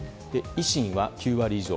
維新は９割以上。